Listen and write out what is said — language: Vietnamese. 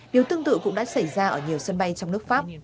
điều tương tự cũng đã xảy ra ở nhiều sân bay trong nước pháp